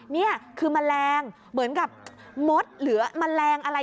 นี่คือแมลงเหมือนกับมดหรือแมลงอะไร